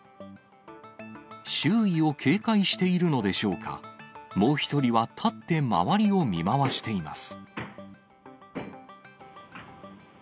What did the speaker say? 周囲を警戒しているのでしょうか、もう１人は立って周りを見回しています。